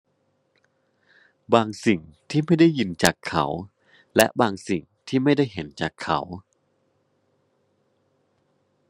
บางสิ่งที่ไม่ได้ยินจากเขา และบางสิ่งที่ไม่ได้เห็นจากเขา